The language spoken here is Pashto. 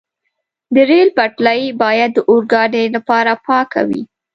د ریل پټلۍ باید د اورګاډي لپاره پاکه وي.